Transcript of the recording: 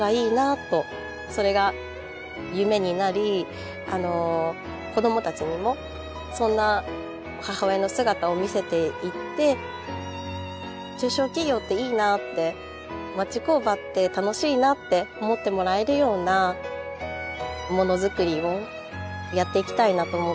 それが夢になり子どもたちにもそんな母親の姿を見せていって中小企業っていいなって町工場って楽しいなって思ってもらえるようなもの作りをやっていきたいなと思ってます。